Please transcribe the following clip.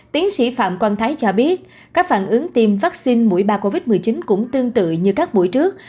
tiến sĩ phạm quang thái cho biết các phản ứng tiêm vaccine mũi ba covid một mươi chín cũng tương tự như các buổi trước